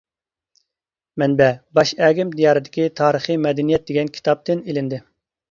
مەنبە:باشئەگىم دىيارىدىكى تارىخى مەدەنىيەت دېگەن كىتابتىن ئېلىندى.